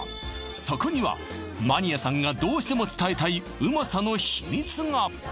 そこにはマニアさんがどうしても伝えたいうまさの秘密が！